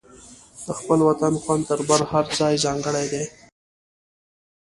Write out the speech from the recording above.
د خپل وطن خوند تر هر بل ځای ځانګړی دی.